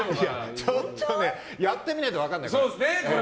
ちょっとねやってみないと分からないから。